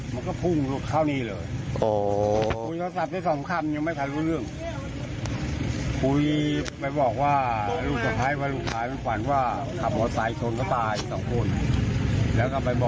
มันก็พุ่งลุกเข้านี่เลยอ๋อคุยโทรศัพท์ได้สองคับ